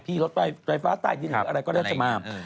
พี่รถไปไฟฟ้าใต้ที่หนึ่งอะไรก็ได้จะมา